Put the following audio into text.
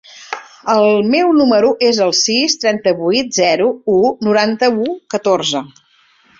El meu número es el sis, trenta-vuit, zero, u, noranta-u, catorze.